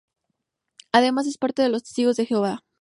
Además es parte de los Testigos de Jehová.